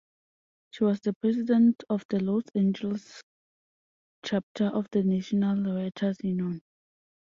She was the president of the Los Angeles chapter of the National Writers Union.